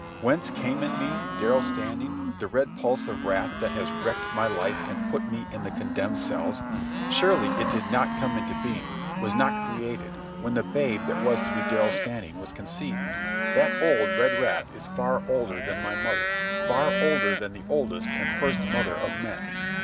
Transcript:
Whence came in me, Darrell Standing, the red pulse of wrath that has wrecked my life and put me in the condemned cells? Surely it did not come into being, was not created, when the babe that was to be Darrell Standing was conceived. That old red wrath is far older than my mother, far older than the oldest and first mother of men.